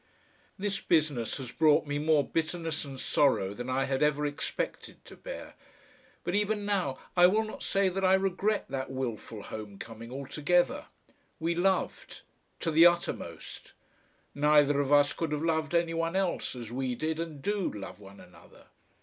This business has brought me more bitterness and sorrow than I had ever expected to bear, but even now I will not say that I regret that wilful home coming altogether. We loved to the uttermost. Neither of us could have loved any one else as we did and do love one another.